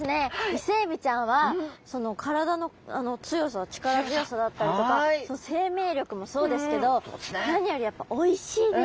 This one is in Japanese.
イセエビちゃんはその体の強さ力強さだったりとかその生命力もそうですけど何よりやっぱおいしいですし。